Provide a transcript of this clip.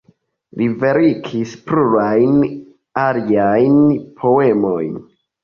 Li verkis plurajn aliajn poemojn.